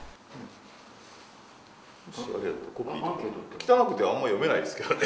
汚くてあんま読めないですけどね